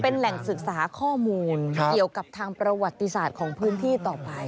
เป็นแหล่งศึกษาข้อมูลเกี่ยวกับทางประวัติศาสตร์ของพื้นที่ต่อไป